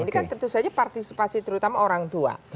ini kan tentu saja partisipasi terutama orang tua